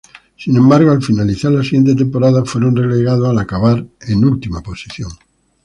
Sin embargo, al finalizar la siguiente temporada fueron relegados al acabar en última posición.